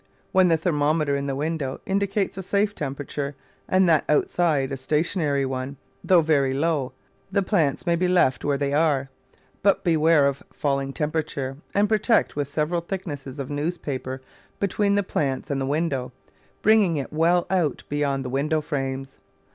When the ther mometer in the window indicates a safe temperature and that outside a stationary one, though very low, the plants may be left where they are; but beware of fall ing temperature, and protect with several thicknesses of newspaper between the plants and the window, bringing it well out beyond the window frames.